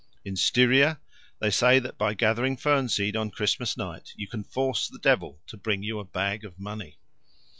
In Styria they say that by gathering fern seed on Christmas night you can force the devil to bring you a bag of money.